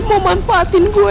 mau manfaatin gue